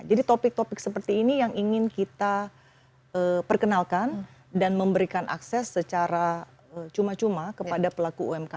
jadi topik topik seperti ini yang ingin kita perkenalkan dan memberikan akses secara cuma cuma kepada pelaku umkm